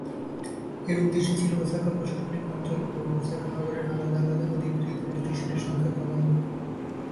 এর উদ্দেশ্য ছিল ওসাকা প্রশাসনিক অঞ্চল ও ওসাকা নগরের আলাদা আলাদা অধিগৃহীত প্রতিষ্ঠানের সংখ্যা কমানো।